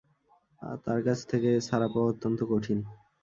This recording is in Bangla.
তার কাছ থেকে ছাড়া পাওয়া অত্যন্ত কঠিন।